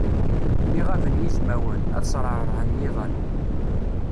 Mi ɣaben yizmawen, ad sreɛrɛen yiḍan.